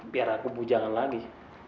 biar aku bujalan lagi